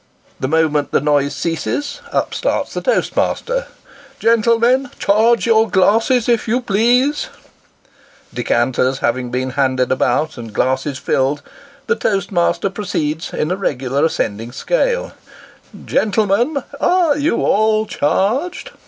The moment the noise ceases, up starts the toastmaster :" Gentle men, charge your glasses, if you please !" Decanters having been handed about, and glasses filled, the toastmaster proceeds, in a regular ascending scale; "Gentlemen air you all charged?